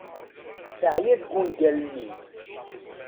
Teεya deg ungal-nni.